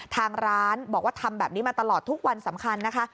ทางร้านบอกว่าทำแบบนี้มาตลอดทุกวันสำคัญนะคะ